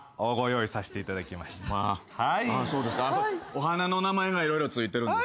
お花の名前が色々付いてるんですね。